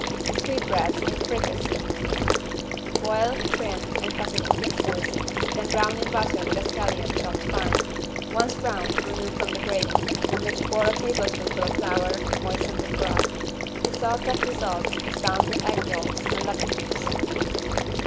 =Sweetbreads in fricassee.= Boil, trim and cut into pieces. Then brown in butter with a scallion chopped fine. Once browned, remove from the gravy in which pour a tablespoonful of flour, moistened with broth. The sauce that results is bound with egg yolks and lemon juice.